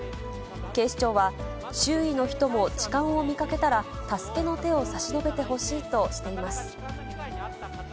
警視庁は、周囲の人も痴漢を見かけたら、助けの手を差し伸べてほしいとしています。